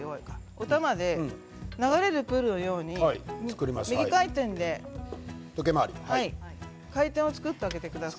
おたまで流れるプールのように右回転で回転を作ってあげてください。